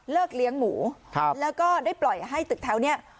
เลี้ยงหมูแล้วก็ได้ปล่อยให้ตึกแถวนี้